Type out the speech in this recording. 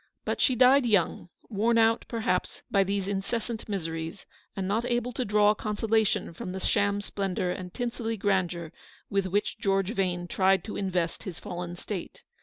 But she died young, worn out, perhaps, by these incessant miseries, and not able to draw con solation from the sham splendour and tinselly grandeur with which George Vane tried to invest his fallen state.